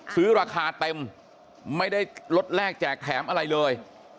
ซื้อราคาเต็มไม่ได้ลดแรกแจกแถมอะไรเลย